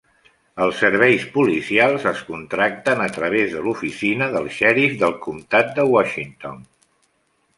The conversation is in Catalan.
Els serveis policials es contracten a través de l'oficina del xèrif del comtat de Washington.